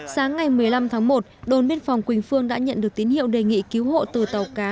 sáng ngày một mươi năm tháng một đồn biên phòng quỳnh phương đã nhận được tín hiệu đề nghị cứu hộ từ tàu cá